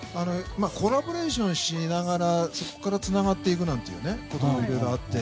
コラボレーションしながらそこから、つながっていくこともいろいろあって。